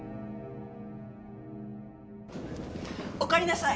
おかえりなさい。